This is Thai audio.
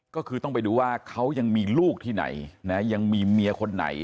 ก็คือต้องไปดูว่าเขายังมีลูกที่ไหนนะยังมีเมียคนไหน